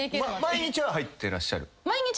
毎日は入ってらっしゃる？